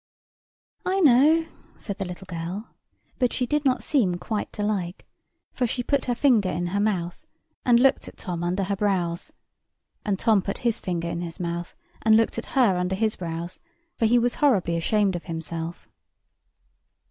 "I know," said the little girl; but she did not seem quite to like, for she put her finger in her mouth, and looked at Tom under her brows; and Tom put his finger in his mouth, and looked at her under his brows, for he was horribly ashamed of himself.